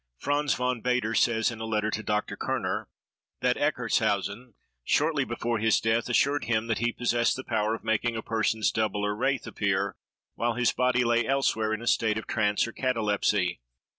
Franz von Baader says, in a letter to Dr. Kerner, that Eckartshausen, shortly before his death, assured him that he possessed the power of making a person's double or wraith appear, while his body lay elsewhere in a state of trance or catalepsy.